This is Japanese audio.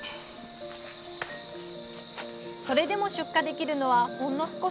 それでも出荷できるのはほんの少し。